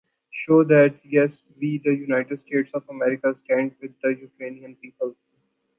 Show that, yes, we the United States of America stand with the Ukrainian people.